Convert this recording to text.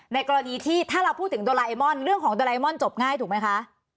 กรณีที่ถ้าเราพูดถึงโดราเอมอนเรื่องของโดไลมอนจบง่ายถูกไหมคะ